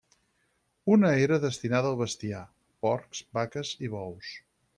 Una era destinada al bestiar: porcs, vaques i bous.